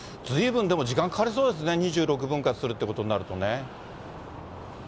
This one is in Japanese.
ずいぶんでも時間かかりそうですね、２６分割するっていうことになるとね。